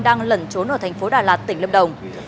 đang lẩn trốn ở thành phố đà lạt tỉnh lâm đồng